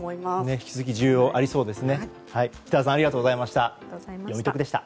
引き続き需要がありそうですね。